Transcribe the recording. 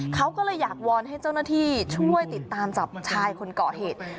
เขาก็เลยอยากวอนให้เจ้าหน้าที่ช่วยติดตามจับชายคนเกาะเหตุ